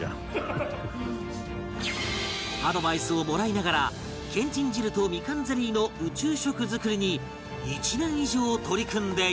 アドバイスをもらいながらけんちん汁とみかんゼリーの宇宙食作りに１年以上取り組んでいる